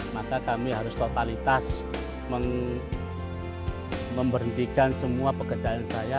maka kami harus totalitas memberhentikan semua pekerjaan saya